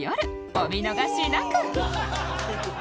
お見逃しなく！